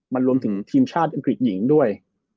มันรวมถึงทีมชาติอังกฤษหญิงด้วย